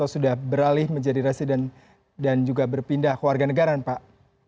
sudah beralih menjadi resident dan juga berpindah ke warga negara pak